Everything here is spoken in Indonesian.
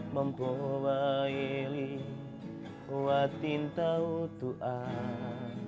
mempobayeli watintau tuhan